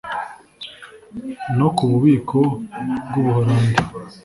No ku bubiko bw'Ubuholandi